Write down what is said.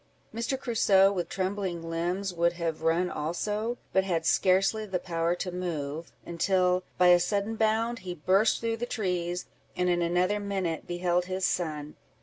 Mr. Crusoe, with trembling limbs, would have run also, but had scarcely power to move, until, by a sudden bound, he burst through the trees, and in another minute beheld his son.